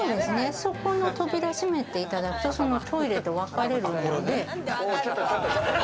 そこの扉閉めていただくと、トイレと分かれるので。